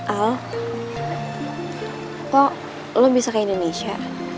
al kok lo bisa ke indonesia